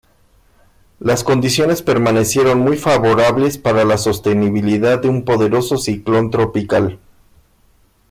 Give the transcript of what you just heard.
Las condiciones permanecieron muy favorables para la sostenibilidad de un poderoso ciclón tropical.